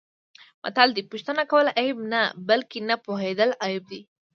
متل دی: پوښتنه کول عیب نه، بلکه نه پوهېدل عیب دی.